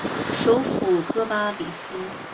首府戈巴比斯。